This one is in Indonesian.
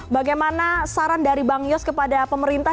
bagaimana saran dari bang yos kepada pemerintah